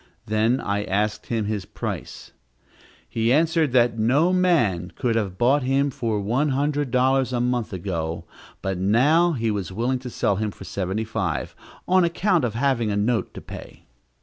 Then I asked him his price. He answered that no man could have bought him for one hundred dollars a month ago, but now he was willing to sell him for seventy five, on account of having a note to pay.